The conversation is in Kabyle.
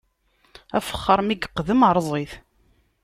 Afexxaṛ mi yiqdem, erẓ-it!